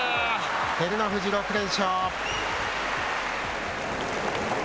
照ノ富士６連勝。